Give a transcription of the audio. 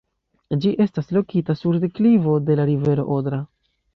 Ĝi estas lokita sur deklivo de la rivero Odra.